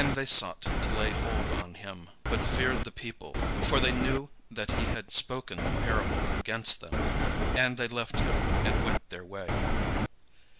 '" And they sought to lay hold on him, but feared the people: for they knew that he had spoken the parable against them: and they left him, and went their way.